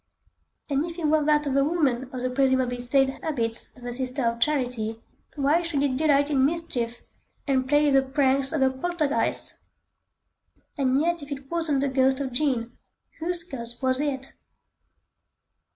And if it were that of a woman of the presumably staid habits of a Sister of Charity, why should it delight in mischief and play the pranks of a poltergeist? And yet if it wasn't the ghost of Jean, whose ghost was it?